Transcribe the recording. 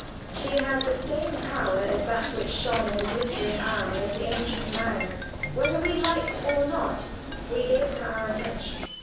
She had the same power as that which shone in the "glittering eye" of the Ancient Mariner. Whether we liked or not we gave her our attention.